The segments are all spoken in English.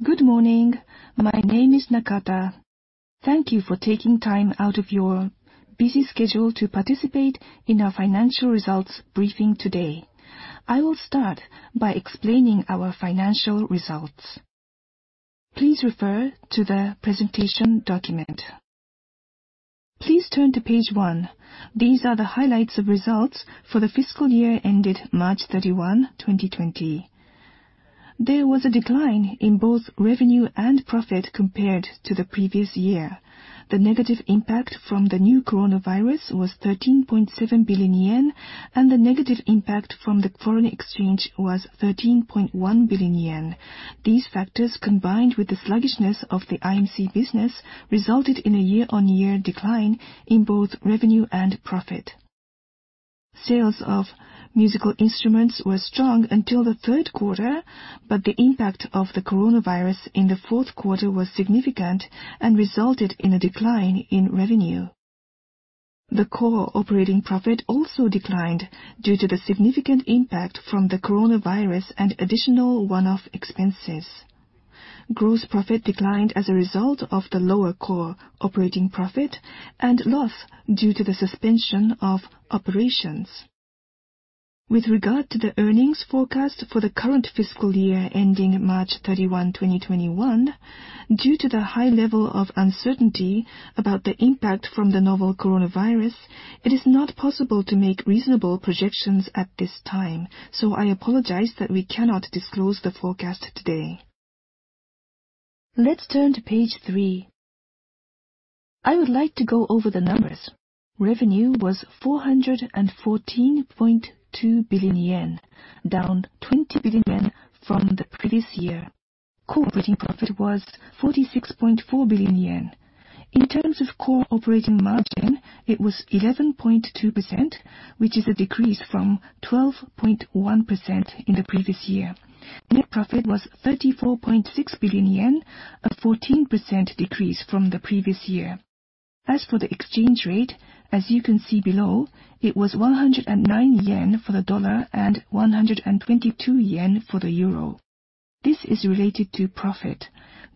Good morning. My name is Nakata. Thank you for taking time out of your busy schedule to participate in our financial results briefing today. I will start by explaining our financial results. Please refer to the presentation document. Please turn to page 1. These are the highlights of results for the fiscal year ended March 31, 2020. There was a decline in both revenue and profit compared to the previous year. The negative impact from the new coronavirus was 13.7 billion yen, and the negative impact from the foreign exchange was 13.1 billion yen. These factors, combined with the sluggishness of the IMC business, resulted in a year-on-year decline in both revenue and profit. Sales of musical instruments were strong until the third quarter, but the impact of the coronavirus in the fourth quarter was significant and resulted in a decline in revenue. The core operating profit also declined due to the significant impact from the coronavirus and additional one-off expenses. Gross profit declined as a result of the lower core operating profit and loss due to the suspension of operations. With regard to the earnings forecast for the current fiscal year ending March 31, 2021, due to the high level of uncertainty about the impact from the novel coronavirus, it is not possible to make reasonable projections at this time. I apologize that we cannot disclose the forecast today. Let's turn to page 3. I would like to go over the numbers. Revenue was 414.2 billion yen, down 20 billion yen from the previous year. Core operating profit was 46.4 billion yen. In terms of core operating margin, it was 11.2%, which is a decrease from 12.1% in the previous year. Net profit was 34.6 billion yen, a 14% decrease from the previous year. As for the exchange rate, as you can see below, it was 109 yen for the dollar and 122 yen for the euro. This is related to profit.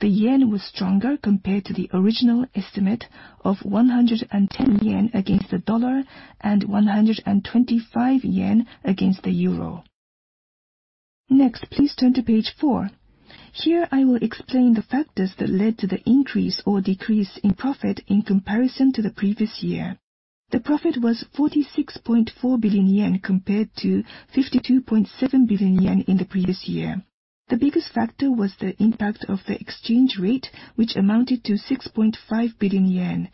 The yen was stronger compared to the original estimate of 110 yen against the dollar and 125 yen against the euro. Next, please turn to page 4. Here, I will explain the factors that led to the increase or decrease in profit in comparison to the previous year. The profit was 46.4 billion yen, compared to 52.7 billion yen in the previous year. The biggest factor was the impact of the exchange rate, which amounted to 6.5 billion yen.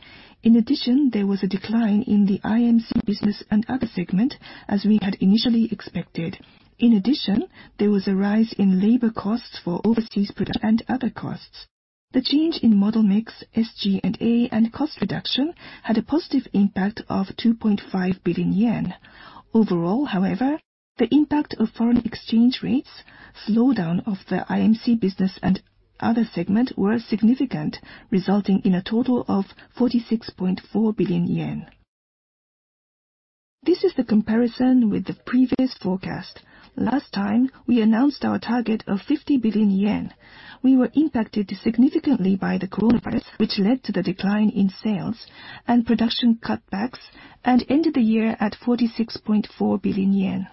There was a decline in the IMC business and other segment, as we had initially expected. There was a rise in labor costs for overseas production and other costs. The change in model mix, SG&A, and cost reduction had a positive impact of 2.5 billion yen. Overall, however, the impact of foreign exchange rates, slowdown of the IMC business and other segment were significant, resulting in a total of 46.4 billion yen. This is the comparison with the previous forecast. Last time, we announced our target of 50 billion yen. We were impacted significantly by the coronavirus, which led to the decline in sales and production cutbacks and ended the year at 46.4 billion yen.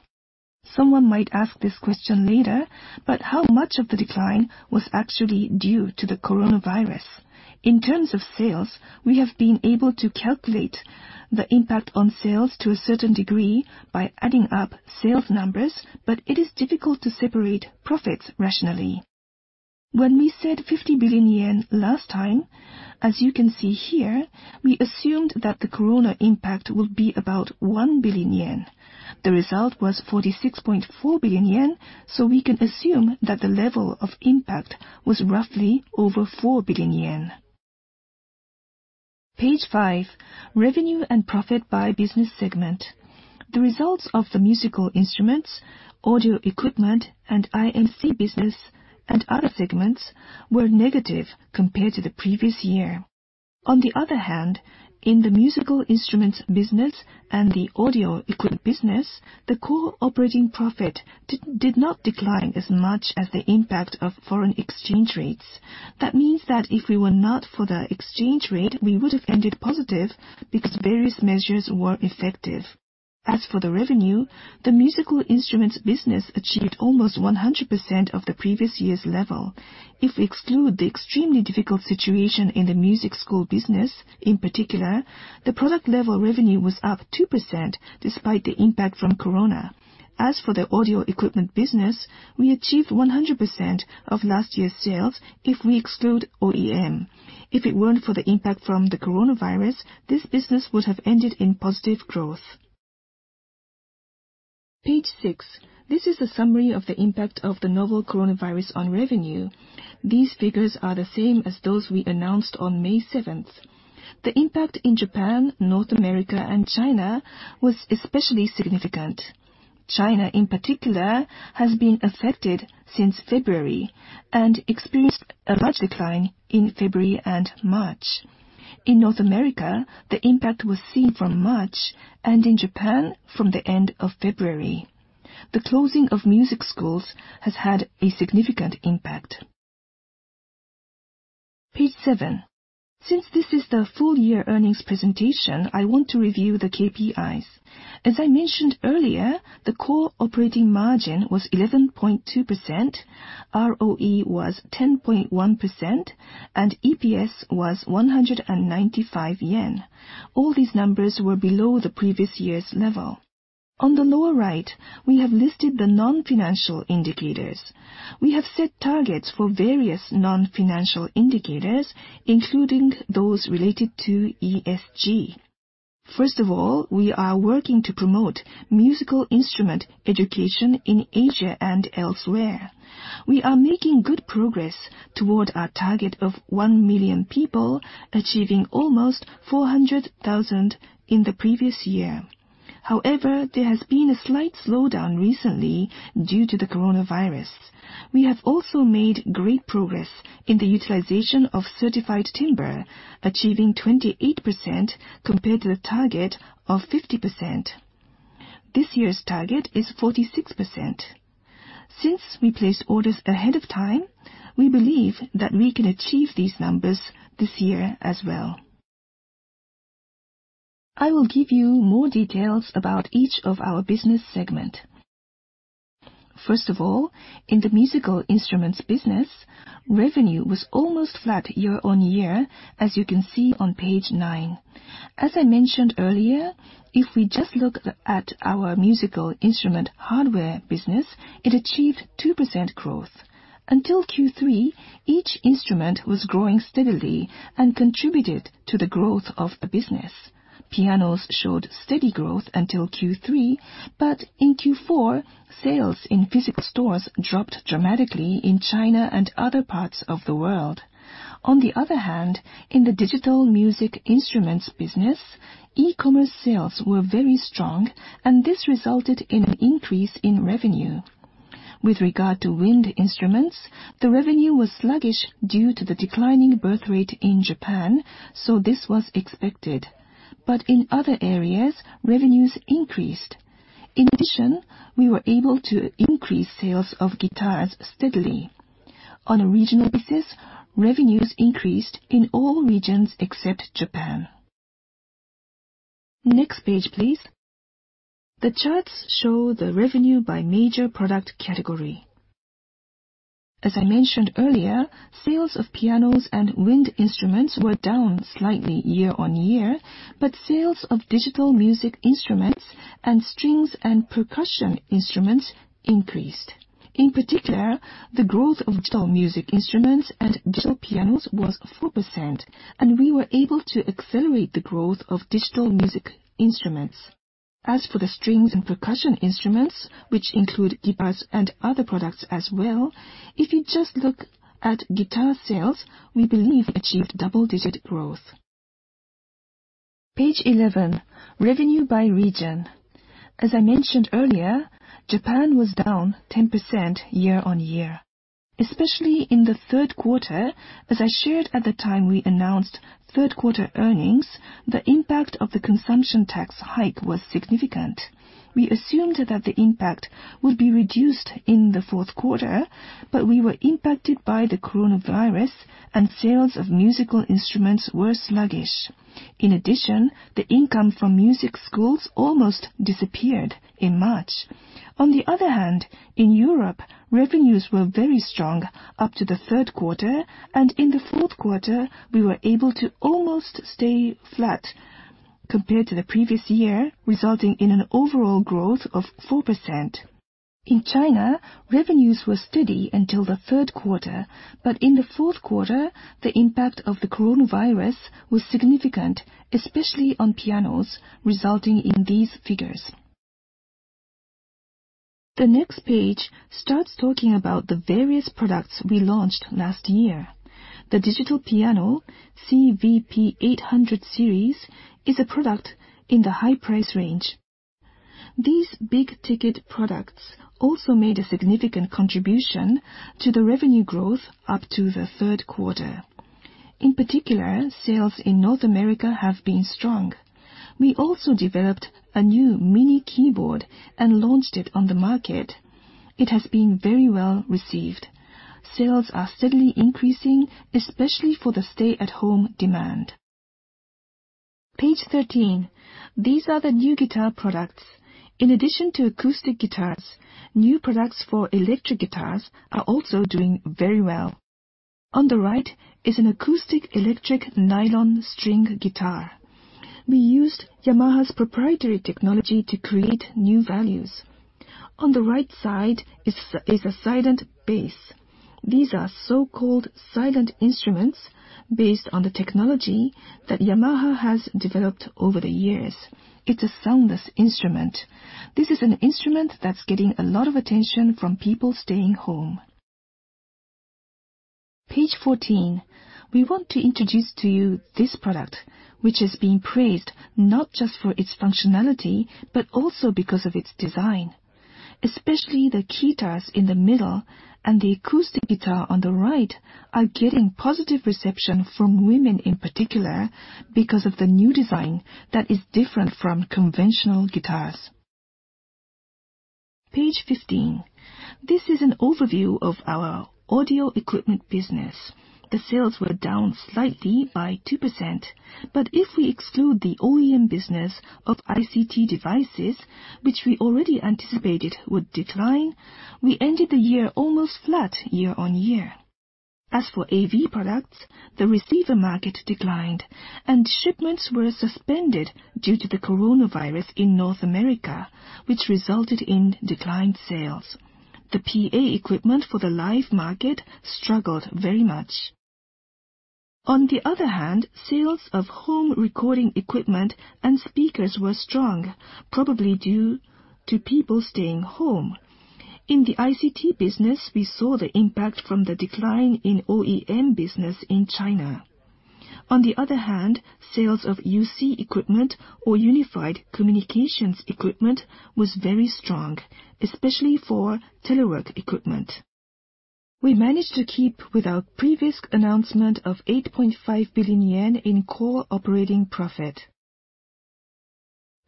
Someone might ask this question later, but how much of the decline was actually due to the coronavirus? In terms of sales, we have been able to calculate the impact on sales to a certain degree by adding up sales numbers, but it is difficult to separate profits rationally. When we said 50 billion yen last time, as you can see here, we assumed that the corona impact will be about 1 billion yen. The result was 46.4 billion yen, we can assume that the level of impact was roughly over 4 billion yen. Page 5, revenue and profit by business segment. The results of the musical instruments, audio equipment, and IMC business and other segments were negative compared to the previous year. On the other hand, in the musical instruments business and the audio equipment business, the core operating profit did not decline as much as the impact of foreign exchange rates. That means that if it were not for the exchange rate, we would have ended positive because various measures were effective. As for the revenue, the musical instruments business achieved almost 100% of the previous year's level. If we exclude the extremely difficult situation in the music school business, in particular, the product level revenue was up 2% despite the impact from corona. As for the audio equipment business, we achieved 100% of last year's sales if we exclude OEM. If it weren't for the impact from the coronavirus, this business would have ended in positive growth. Page 6. This is a summary of the impact of the novel coronavirus on revenue. These figures are the same as those we announced on May 7th. The impact in Japan, North America, and China was especially significant. China, in particular, has been affected since February and experienced a large decline in February and March. In North America, the impact was seen from March, and in Japan from the end of February. The closing of music schools has had a significant impact. Page 7. Since this is the full year earnings presentation, I want to review the KPIs. As I mentioned earlier, the core operating margin was 11.2%, ROE was 10.1%, and EPS was 195 yen. All these numbers were below the previous year's level. On the lower right, we have listed the non-financial indicators. We have set targets for various non-financial indicators, including those related to ESG. First of all, we are working to promote musical instrument education in Asia and elsewhere. We are making good progress toward our target of 1 million people, achieving almost 400,000 in the previous year. There has been a slight slowdown recently due to the coronavirus. We have also made great progress in the utilization of certified timber, achieving 28% compared to the target of 50%. This year's target is 46%. We place orders ahead of time, we believe that we can achieve these numbers this year as well. I will give you more details about each of our business segment. First of all, in the musical instruments business, revenue was almost flat year-on-year, as you can see on page 9. As I mentioned earlier, if we just look at our musical instrument hardware business, it achieved 2% growth. Until Q3, each instrument was growing steadily and contributed to the growth of the business. Pianos showed steady growth until Q3. In Q4, sales in physical stores dropped dramatically in China and other parts of the world. On the other hand, in the digital music instruments business, e-commerce sales were very strong. This resulted in an increase in revenue. With regard to wind instruments, the revenue was sluggish due to the declining birth rate in Japan. This was expected. In other areas, revenues increased. In addition, we were able to increase sales of guitars steadily. On a regional basis, revenues increased in all regions except Japan. Next page, please. The charts show the revenue by major product category. As I mentioned earlier, sales of pianos and wind instruments were down slightly year-over-year, but sales of digital music instruments and strings and percussion instruments increased. In particular, the growth of digital music instruments and digital pianos was 4%, and we were able to accelerate the growth of digital music instruments. As for the strings and percussion instruments, which include guitars and other products as well, if you just look at guitar sales, we believe we achieved double-digit growth. Page 11, revenue by region. As I mentioned earlier, Japan was down 10% year-over-year. Especially in the third quarter, as I shared at the time we announced third quarter earnings, the impact of the consumption tax hike was significant. We assumed that the impact would be reduced in the fourth quarter, but we were impacted by the coronavirus, and sales of musical instruments were sluggish. In addition, the income from music schools almost disappeared in March. On the other hand, in Europe, revenues were very strong up to the third quarter, and in the fourth quarter, we were able to almost stay flat compared to the previous year, resulting in an overall growth of 4%. In China, revenues were steady until the third quarter, but in the fourth quarter, the impact of the coronavirus was significant, especially on pianos, resulting in these figures. The next page starts talking about the various products we launched last year. The digital piano CVP-800 series is a product in the high price range. These big-ticket products also made a significant contribution to the revenue growth up to the third quarter. In particular, sales in North America have been strong. We also developed a new mini keyboard and launched it on the market. It has been very well received. Sales are steadily increasing, especially for the stay-at-home demand. Page 13. These are the new guitar products. In addition to acoustic guitars, new products for electric guitars are also doing very well. On the right is an acoustic electric nylon string guitar. We used Yamaha's proprietary technology to create new values. On the right side is a Silent Bass. These are so-called silent instruments based on the technology that Yamaha has developed over the years. It's a soundless instrument. This is an instrument that's getting a lot of attention from people staying home. Page 14. We want to introduce to you this product, which is being praised not just for its functionality, but also because of its design. Especially the guitars in the middle and the acoustic guitar on the right are getting positive reception from women in particular because of the new design that is different from conventional guitars. Page 15. This is an overview of our audio equipment business. The sales were down slightly by 2%, but if we exclude the OEM business of ICT devices, which we already anticipated would decline, we ended the year almost flat year-on-year. As for AV products, the receiver market declined, and shipments were suspended due to the coronavirus in North America, which resulted in declined sales. The PA equipment for the live market struggled very much. On the other hand, sales of home recording equipment and speakers were strong, probably due to people staying home. In the ICT business, we saw the impact from the decline in OEM business in China. On the other hand, sales of UC equipment or unified communications equipment was very strong, especially for telework equipment. We managed to keep with our previous announcement of 8.5 billion yen in core operating profit.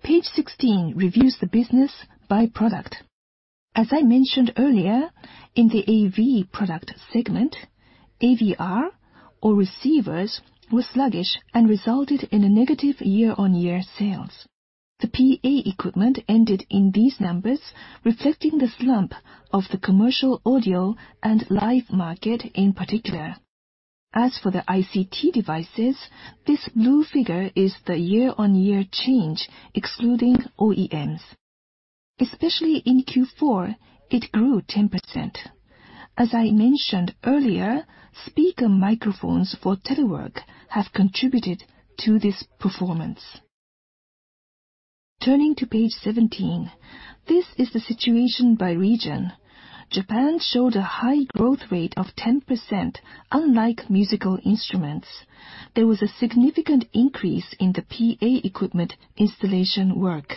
Page 16 reviews the business by product. As I mentioned earlier, in the AV product segment, AVR or receivers were sluggish and resulted in a negative year-on-year sales. The PA equipment ended in these numbers, reflecting the slump of the commercial audio and live market in particular. As for the ICT devices, this blue figure is the year-on-year change excluding OEMs. Especially in Q4, it grew 10%. As I mentioned earlier, speaker microphones for telework have contributed to this performance. Turning to page 17, this is the situation by region. Japan showed a high growth rate of 10%, unlike musical instruments. There was a significant increase in the PA equipment installation work.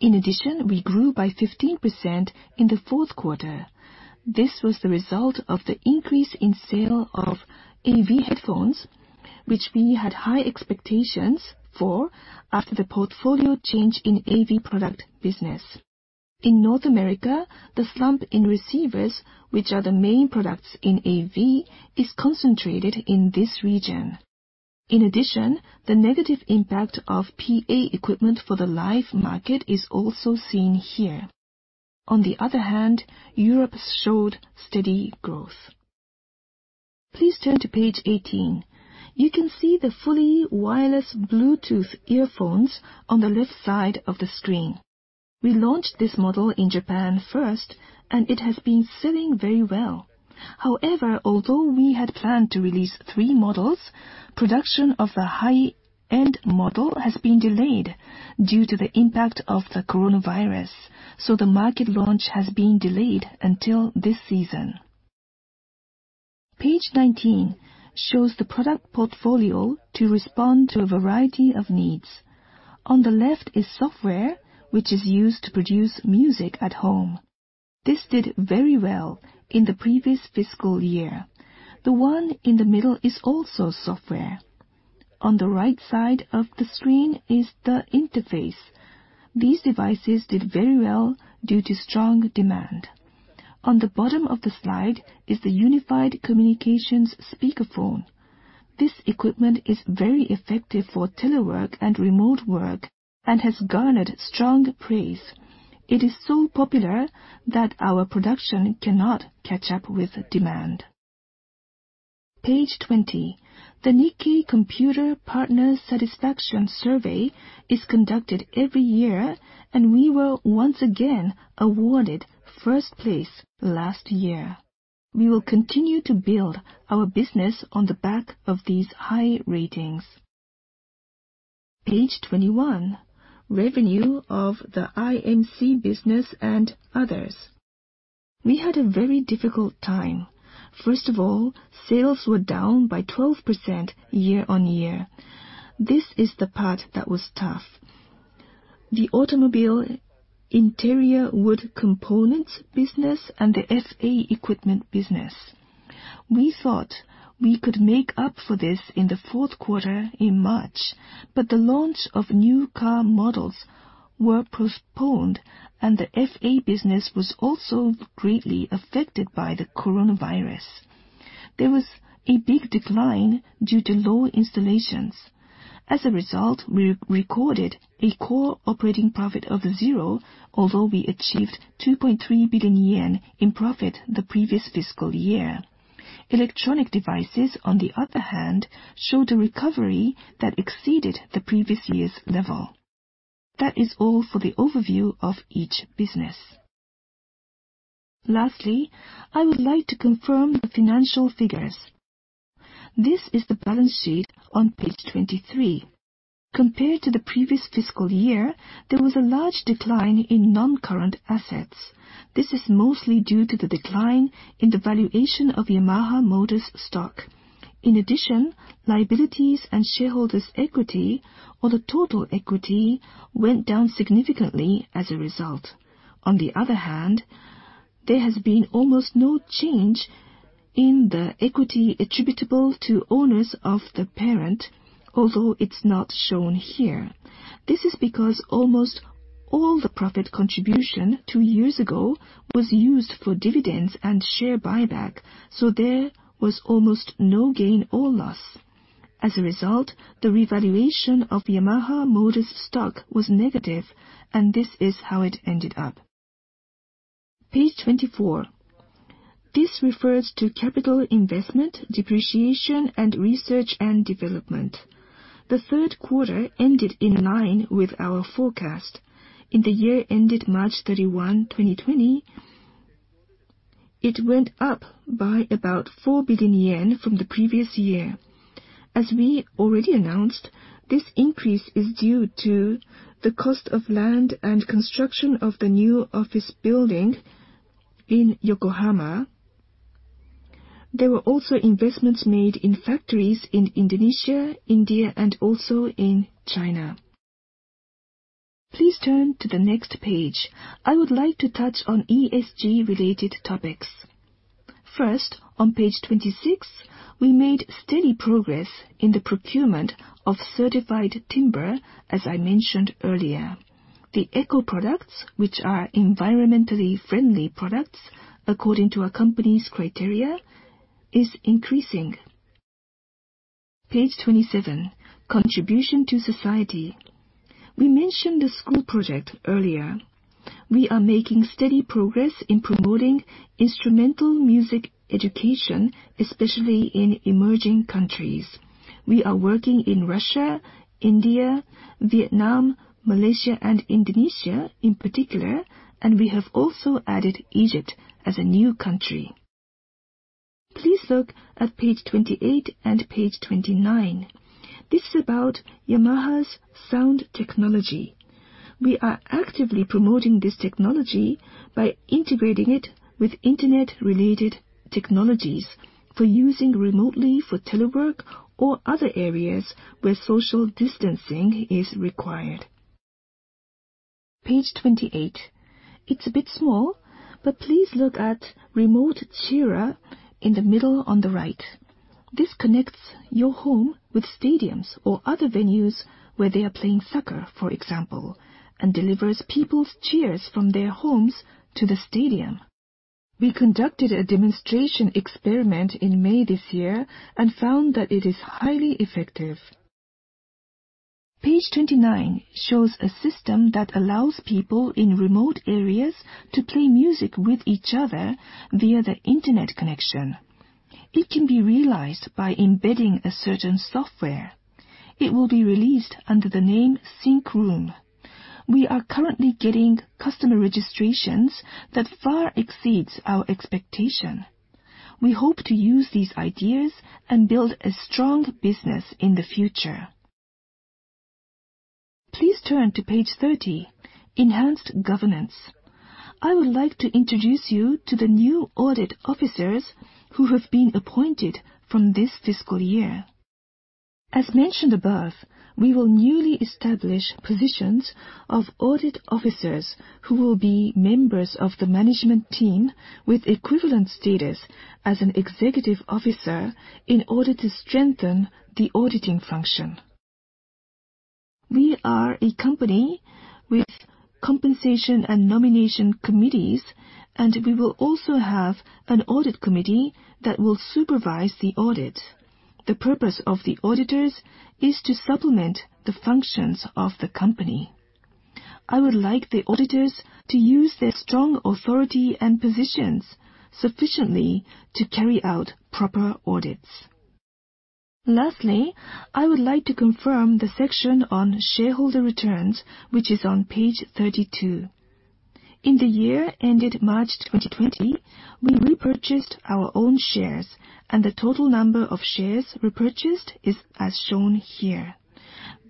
We grew by 15% in the fourth quarter. This was the result of the increase in sale of AV headphones, which we had high expectations for after the portfolio change in AV product business. North America, the slump in receivers, which are the main products in AV, is concentrated in this region. The negative impact of PA equipment for the live market is also seen here. Europe showed steady growth. Please turn to page 18. You can see the fully wireless Bluetooth earphones on the left side of the screen. We launched this model in Japan first, and it has been selling very well. Although we had planned to release three models, production of the high-end model has been delayed due to the impact of the coronavirus, the market launch has been delayed until this season. Page 19 shows the product portfolio to respond to a variety of needs. On the left is software, which is used to produce music at home. This did very well in the previous fiscal year. The one in the middle is also software. On the right side of the screen is the interface. These devices did very well due to strong demand. On the bottom of the slide is the unified communications speakerphone. This equipment is very effective for telework and remote work and has garnered strong praise. It is so popular that our production cannot catch up with demand. Page 20. The Nikkei Computer Partner Satisfaction Survey is conducted every year. We were once again awarded first place last year. We will continue to build our business on the back of these high ratings. Page 21, revenue of the IMC business and others. We had a very difficult time. First of all, sales were down by 12% year-on-year. This is the part that was tough, the automobile interior wood components business and the FA equipment business. We thought we could make up for this in the fourth quarter in March. The launch of new car models were postponed, and the FA business was also greatly affected by the coronavirus. There was a big decline due to low installations. As a result, we recorded a core operating profit of zero, although we achieved 2.3 billion yen in profit the previous fiscal year. Electronic devices, on the other hand, showed a recovery that exceeded the previous year's level. That is all for the overview of each business. Lastly, I would like to confirm the financial figures. This is the balance sheet on page 23. Compared to the previous fiscal year, there was a large decline in non-current assets. This is mostly due to the decline in the valuation of Yamaha Motor's stock. Liabilities and shareholders equity or the total equity went down significantly as a result. There has been almost no change in the equity attributable to owners of the parent, although it's not shown here. This is because almost all the profit contribution two years ago was used for dividends and share buyback, there was almost no gain or loss. The revaluation of Yamaha Motor's stock was negative, this is how it ended up. Page 24. This refers to capital investment, depreciation, and research and development. The third quarter ended in line with our forecast. In the year ended March 31, 2020, it went up by about 4 billion yen from the previous year. As we already announced, this increase is due to the cost of land and construction of the new office building in Yokohama. There were also investments made in factories in Indonesia, India, and also in China. Please turn to the next page. I would like to touch on ESG-related topics. First, on page 26, we made steady progress in the procurement of certified timber, as I mentioned earlier. The Eco-Products, which are environmentally friendly products according to our company's criteria, is increasing. Page 27, contribution to society. We mentioned the School Project earlier. We are making steady progress in promoting instrumental music education, especially in emerging countries. We are working in Russia, India, Vietnam, Malaysia, and Indonesia in particular, and we have also added Egypt as a new country. Please look at page 28 and page 29. This is about Yamaha's sound technology. We are actively promoting this technology by integrating it with internet-related technologies for using remotely for telework or other areas where social distancing is required. Page 28. It's a bit small, but please look at Remote Cheerer in the middle on the right. This connects your home with stadiums or other venues where they are playing soccer, for example, and delivers people's cheers from their homes to the stadium. We conducted a demonstration experiment in May this year and found that it is highly effective. Page 29 shows a system that allows people in remote areas to play music with each other via the internet connection. It can be realized by embedding a certain software. It will be released under the name SYNCROOM. We are currently getting customer registrations that far exceeds our expectation. We hope to use these ideas and build a strong business in the future. Please turn to page 30, enhanced governance. I would like to introduce you to the new audit officers who have been appointed from this fiscal year. As mentioned above, we will newly establish positions of audit officers who will be members of the management team with equivalent status as an executive officer in order to strengthen the auditing function. We are a company with compensation and nomination committees, and we will also have an audit committee that will supervise the audit. The purpose of the auditors is to supplement the functions of the company. I would like the auditors to use their strong authority and positions sufficiently to carry out proper audits. Lastly, I would like to confirm the section on shareholder returns, which is on page 32. In the year ended March 2020, we repurchased our own shares, and the total number of shares repurchased is as shown here.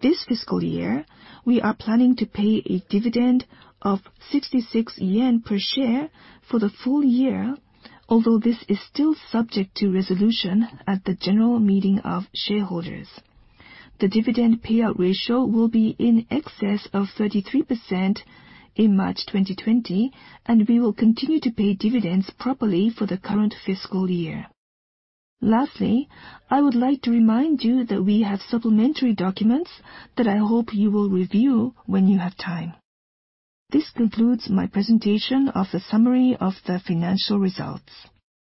This fiscal year, we are planning to pay a dividend of 66 yen per share for the full year, although this is still subject to resolution at the general meeting of shareholders. The dividend payout ratio will be in excess of 33% in March 2020, and we will continue to pay dividends properly for the current fiscal year. Lastly, I would like to remind you that we have supplementary documents that I hope you will review when you have time. This concludes my presentation of the summary of the financial results.